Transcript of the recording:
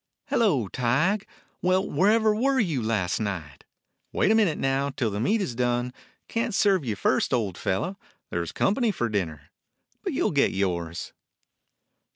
"Hello, Tige! Well, wherever were you last night? Wait a minute, now, till this meat is done. Can't serve you first, old fellow. There 's company for supper. But you 'll get yours."